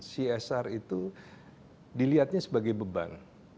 csr itu dilihatnya sebagai beban